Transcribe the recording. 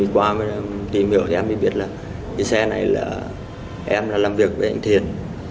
qua tìm hiểu thì em mới biết là cái xe này là em làm việc với anh thiện